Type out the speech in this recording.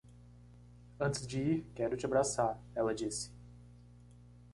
"Antes de ir, quero te abraçar", ela disse.